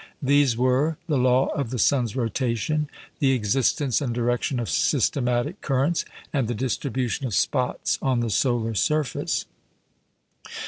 These were: the law of the sun's rotation, the existence and direction of systematic currents, and the distribution of spots on the solar surface.